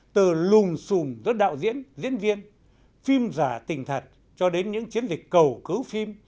từ lùm xùm giữa đạo diễn diễn viên phim giả tình thật cho đến những chiến dịch cầu cứu phim